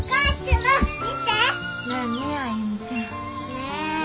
ねえ！